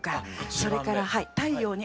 それから太陽に当たる。